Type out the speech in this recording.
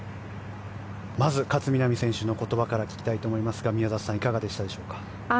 まず、勝みなみ選手の言葉から聞きたいと思いますが宮里さんいかがでしたでしょうか。